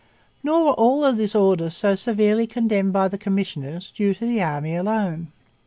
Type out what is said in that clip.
Nor were 'all the disorders' so severely condemned by the commissioners due to the army alone.